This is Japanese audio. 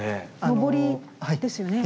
のぼりですよね。